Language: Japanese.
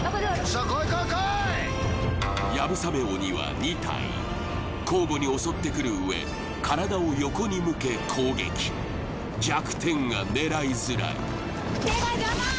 さあ来い来い来い流鏑馬鬼は２体交互に襲ってくるうえ体を横に向け攻撃弱点が狙いづらい手が邪魔！